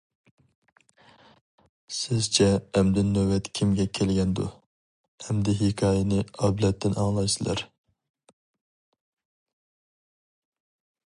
سىزچە ئەمدى نۆۋەت كىمگە كەلگەندۇ؟ ئەمدى ھېكايىنى ئابلەتتىن ئاڭلايسىلەر.